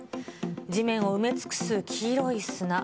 地面を埋め尽くす黄色い砂。